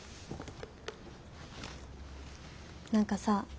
何かさ